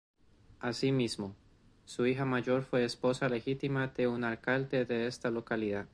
Así mismo, su hija mayor fue esposa legítima de un alcalde de esta localidad.